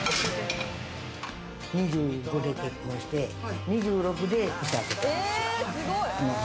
２５で結婚して、２６で独立した。